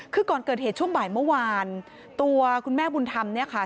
คือก่อนเกิดเหตุช่วงบ่ายเมื่อวานตัวคุณแม่บุญธรรมเนี่ยค่ะ